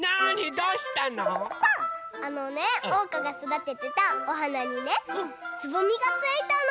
あのねおうかがそだててたおはなにねつぼみがついたの！